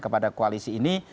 kepada koalisi ini